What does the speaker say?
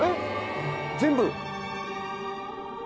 全部。